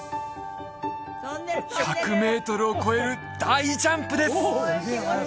１００メートルを超える大ジャンプです